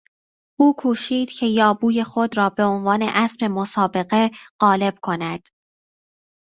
او کوشید که یابوی خود را به عنوان اسب مسابقه قالب کند.